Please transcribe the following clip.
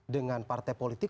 dengan partai politik